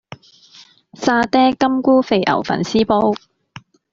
沙嗲金菇肥牛粉絲煲